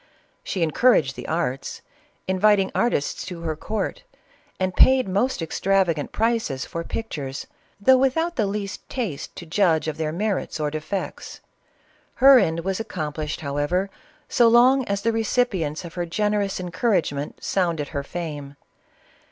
She encouraged the arts, inviting artists to her court, and paid most extravagant prices for pictures, though without the least taste to judge of •their merits or defects. Her end was accomplished, however, so long as the recipients^ her generous en couragement sounded her fame.